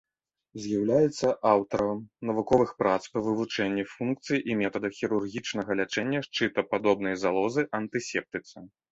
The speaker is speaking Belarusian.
З'яўляецца аўтарам навуковых прац па вывучэнні функцый і метадах хірургічнага лячэння шчытападобнай залозы, антысептыцы.